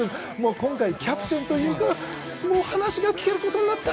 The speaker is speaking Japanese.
今回キャプテンということでもう話が聞けることになった！